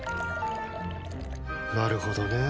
なるほどね。